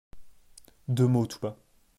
Deux mots tout bas.